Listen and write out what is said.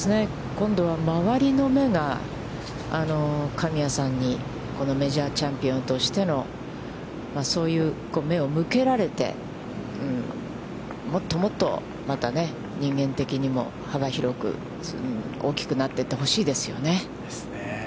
今度は周りの目が、神谷さんに、このメジャーチャンピオンとしてのそういう目を向けられて、もっともっと、また、人間的にも、幅広く大きくなっていってほしいですよね。